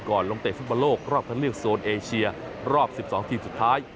ลงเตะฟุตบอลโลกรอบคันเลือกโซนเอเชียรอบ๑๒ทีมสุดท้าย